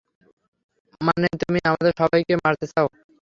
মানে, তুমি আমাদের সবাইকে মারতে চাও?